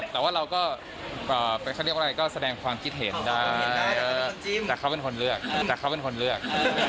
แต่ว่าเราก็เป็นเขาเรียกว่าอะไรก็แสดงความคิดเห็นได้แต่เขาเป็นคนเลือก